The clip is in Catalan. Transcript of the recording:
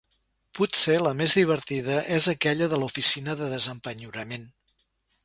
Potser la més divertida és aquella de l'oficina de desempenyorament.